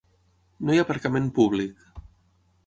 No hi ha aparcament públic.